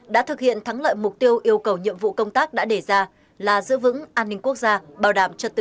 đã thực hiện thắng lợi mục tiêu yêu cầu nhiệm vụ công tác đã đề ra là giữ vững an ninh quốc gia